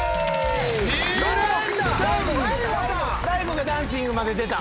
大悟が「ダンシング」まで出た。